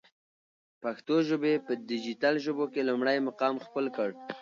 پښتو ژبی په ډيجيټل ژبو کی لمړی مقام خپل کړ.